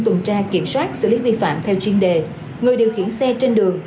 tuần tra kiểm soát xử lý vi phạm theo chuyên đề người điều khiển xe trên đường